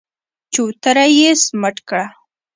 چوتره يې سمټ کړه.